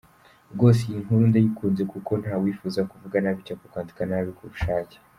Rwose iyi nkuru ndayikunze, kuko nta wifuza kuvuga nabi cg kwandika nabi ku bushake.